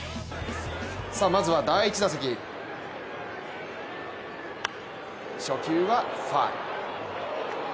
まずは第１打席初球はファウル。